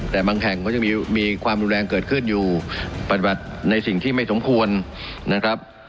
แต่บางแห่งก็ยังมีความรุนแรงเกิดขึ้นอยู่ปฏิบัติในสิ่งที่ไม่สมควรนะครับ